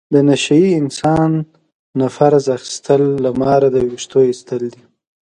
د نشه یي انسان نه قرض اخستل له ماره د وېښتو ایستل دي.